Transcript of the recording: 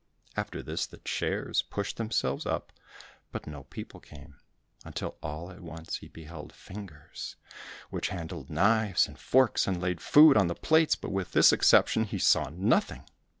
After this the chairs pushed themselves up, but no people came, until all at once he beheld fingers, which handled knives and forks, and laid food on the plates, but with this exception he saw nothing.